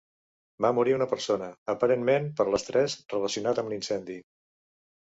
Va morir una persona, aparentment per l'estrès relacionat amb l'incendi.